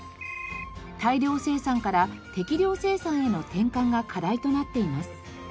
大量生産から適量生産への転換が課題となっています。